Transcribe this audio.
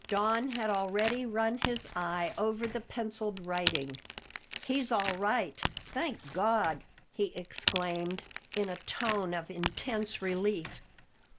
Don had already run his eye over the pencilled writing. "He's all right, thank God!" he exclaimed, in a tone of intense relief.